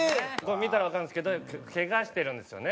見たらわかるんですけどケガしてるんですよね。